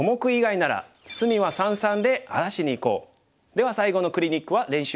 では最後のクリニックは練習問題です。